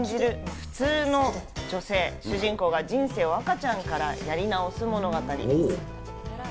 普通の女性、主人公が人生を赤ちゃんからやり直す物語です。